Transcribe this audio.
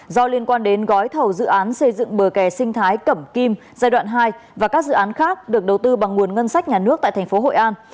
do liên quan đến gói thầu dự án xây dựng bờ kè sinh thái cẩm kim giai đoạn hai và các dự án khác được đầu tư bằng nguồn ngân sách nhà nước tại thành phố hội an